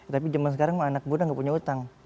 tapi zaman sekarang anak muda gak punya utang